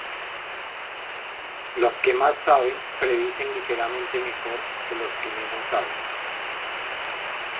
Los que más saben predicen ligeramente mejor que los que menos saben.